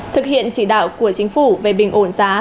thực hiện chỉ đạo của chính phủ về bình ổn giá